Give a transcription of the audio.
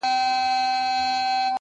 ماته به بله موضوع پاته نه وي،